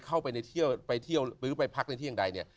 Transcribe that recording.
เข้าไปเที่ยวหรือไปพักในที่อย่างใดเนี่ย